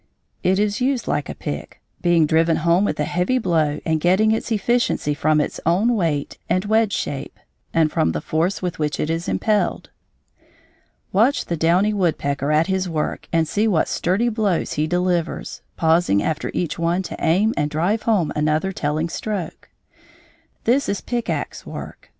It is used like a pick, being driven home with a heavy blow and getting its efficiency from its own weight and wedge shape and from the force with which it is impelled. Watch the downy woodpecker at his work and see what sturdy blows he delivers, pausing after each one to aim and drive home another telling stroke. This is pick axe work.